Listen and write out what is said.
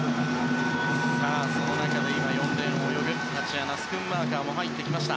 その中で今、４レーンを泳ぐタチアナ・スクンマーカーも入ってきました。